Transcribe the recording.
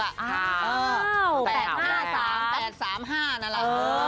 ๘๕๓๘๓๕นั่นแหละ